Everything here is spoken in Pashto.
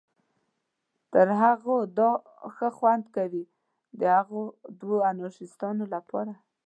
تر هغو دا ښه خوند کوي، د هغه دوو انارشیستانو لپاره.